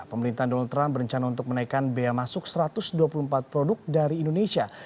pemerintah donald trump berencana untuk menaikkan bea masuk satu ratus dua puluh empat produk dari indonesia